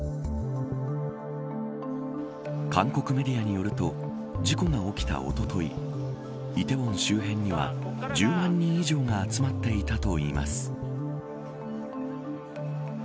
韓国メディアによると事故が起きた、おととい梨泰院周辺には１０万人以上が集まっていたといいます。